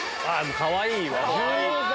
かわいいわ！